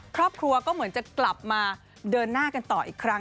ครอบครัวก็เหมือนจะกลับมาเดินหน้ากันต่ออีกครั้ง